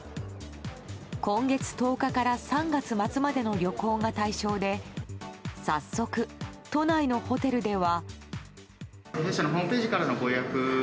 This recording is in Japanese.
今月１０日から３月末までの旅行が対象で早速、都内のホテルでは。